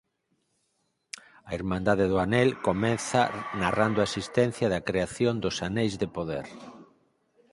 A Irmandade do Anel comeza narrando a existencia da creación dos Aneis de Poder.